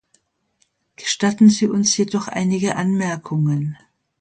Gestatten Sie uns jedoch einige Anmerkungen.